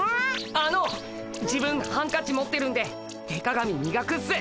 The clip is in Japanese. あの自分ハンカチ持ってるんで手鏡みがくっす。